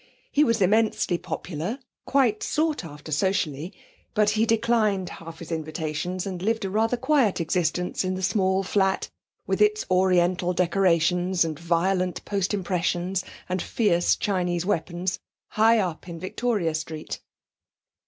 He was immensely popular, quite sought after socially; but he declined half his invitations and lived a rather quiet existence in the small flat, with its Oriental decorations and violent post impressions and fierce Chinese weapons, high up in Victoria Street.